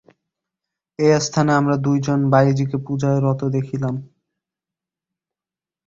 এইস্থানে আমরা দুইজন বাঈজীকে পূজায় রত দেখিলাম।